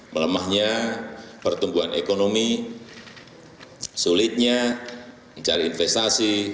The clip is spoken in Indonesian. melemahnya pertumbuhan ekonomi sulitnya mencari investasi